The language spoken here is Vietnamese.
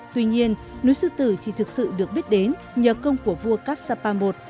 tuy nhiên núi sư tử chỉ thực sự được biết đến nhờ công của vua kapsapa i